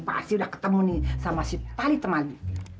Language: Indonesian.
pasti udah ketemu nih sama si tali temali